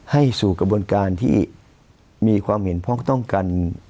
ให้สู่กระบวนการที่มีความเห็นพ้องต้องกัน